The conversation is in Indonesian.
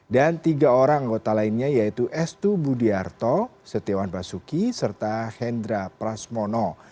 dan tiga orang anggota lainnya yaitu estu budiarto setiawan basuki serta hendra prasmono